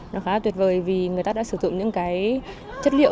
nó khá là tuyệt vời vì người ta đã sử dụng những cái chất liệu